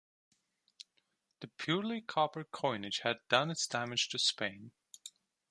The purely copper coinage had done its damage to Spain.